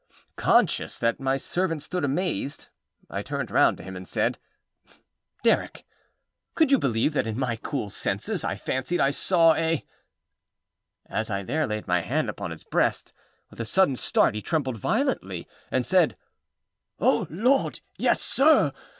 Conscious that my servant stood amazed, I turned round to him, and said: âDerrick, could you believe that in my cool senses I fancied I saw a ââ As I there laid my hand upon his breast, with a sudden start he trembled violently, and said, âO Lord, yes, sir!